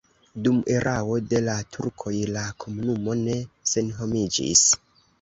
Dum erao de la turkoj la komunumo ne senhomiĝis.